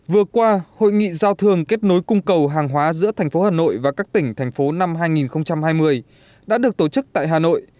vừa qua hội nghị giao thường kết nối cung cầu hàng hóa giữa thành phố hà nội và các tỉnh thành phố năm hai nghìn hai mươi đã được tổ chức tại hà nội